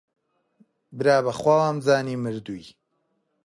برا بەخوا وەمانزانی مردووی